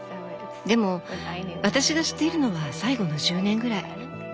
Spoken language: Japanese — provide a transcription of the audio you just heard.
でも私が知っているのは最後の１０年ぐらい。